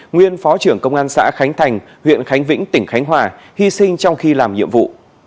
nguyên phó trưởng công an xã khánh thành huyện khánh vĩnh tỉnh khánh hòa hy sinh trong khi làm nhiệm vụ